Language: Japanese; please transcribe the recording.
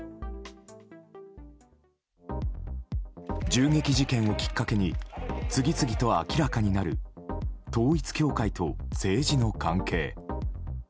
銃撃事件をきっかけに次々と明らかになる統一教会と政治の関係。